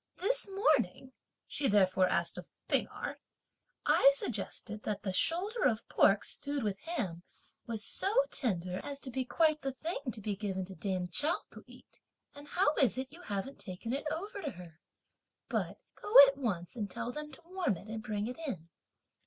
This morning," she therefore asked of P'ing Erh, "I suggested that that shoulder of pork stewed with ham was so tender as to be quite the thing to be given to dame Chao to eat; and how is it you haven't taken it over to her? But go at once and tell them to warm it and bring it in!